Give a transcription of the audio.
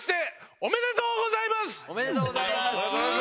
おめでとうございます。